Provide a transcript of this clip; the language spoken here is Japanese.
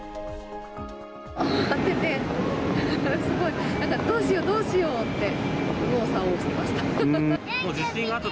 慌てて、すごいなんか、どうしよう、どうしようって右往左往してました。